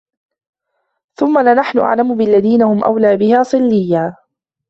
ثُمَّ لَنَحْنُ أَعْلَمُ بِالَّذِينَ هُمْ أَوْلَى بِهَا صِلِيًّا